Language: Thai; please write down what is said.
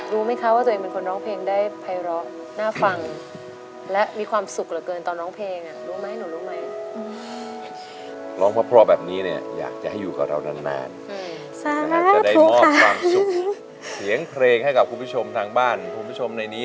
ดูไม่ค่ะว่าอุ้ยมิของร้องเพลงได้ภายละมหาฟังแล้วมีความสุขเหลือเกินตอนลองเพลงอ่ะรู้ไหมหนูรู้ไหม